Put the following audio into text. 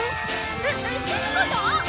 えっしずかちゃん？